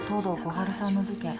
春さんの事件